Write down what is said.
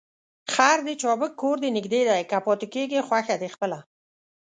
خر دي چابک کور دي نژدې دى ، که پاته کېږې خوښه دي خپله.